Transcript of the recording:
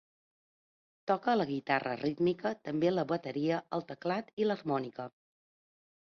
Toca la guitarra rítmica, també la bateria, el teclat, i l'harmònica.